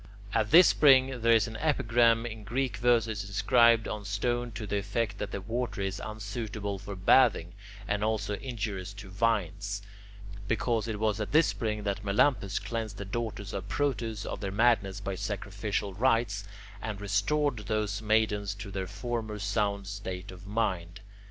At this spring, there is an epigram in Greek verses inscribed on stone to the effect that the water is unsuitable for bathing, and also injurious to vines, because it was at this spring that Melampus cleansed the daughters of Proetus of their madness by sacrificial rites, and restored those maidens to their former sound state of mind.